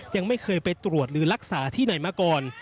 ยังไม่เคยไปตรวจหรือรักษาที่ไหนมาก่อน